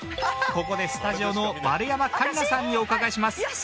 ここでスタジオの丸山桂里奈さんにお伺いします。